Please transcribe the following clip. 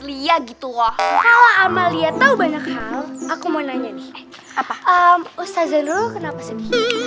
lia gitu loh kalau amalia tahu banyak hal aku mau nanya nih apa ustazalul kenapa sedih